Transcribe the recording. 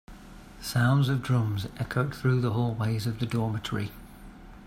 Sounds of drums echoed through the hallways of the dormitory.